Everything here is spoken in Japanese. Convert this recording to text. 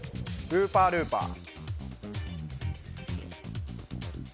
ウーパールーパー